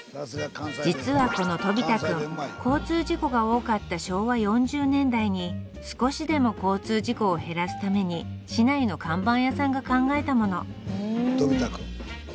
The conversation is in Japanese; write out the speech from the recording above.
実はこのとび太くん交通事故が多かった昭和４０年代に少しでも交通事故を減らすために市内の看板屋さんが考えたものとび太くん。